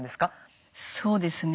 そうですね。